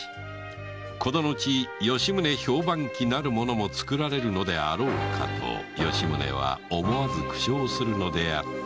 この後『吉宗評判記』なるものも作られるのであろうかと吉宗は思わず苦笑するのであった